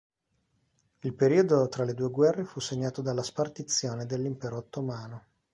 Il periodo tra le due guerre fu segnato dalla spartizione dell'Impero ottomano.